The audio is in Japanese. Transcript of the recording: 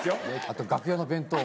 あと楽屋の弁当。